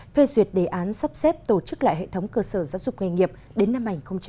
phê duyệt đề án sắp xếp tổ chức lại hệ thống cơ sở giáo dục nghề nghiệp đến năm hai nghìn hai mươi